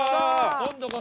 今度こそ。